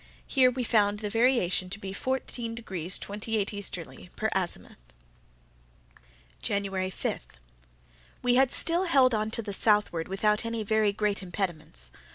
Here we found the variation to be 14 degrees 28' easterly, per azimuth. January 5.—We had still held on to the southward without any very great impediments.